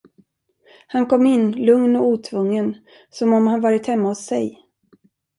Han kom in, lugn och otvungen, som om han varit hemma hos sig.